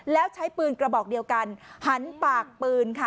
แล้วใช้ปืนกระบอกเดียวกันหันปากปืนค่ะ